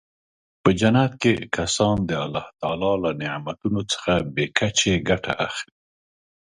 په جنت کې کسان د الله تعالی له نعمتونو څخه بې کچې ګټه اخلي.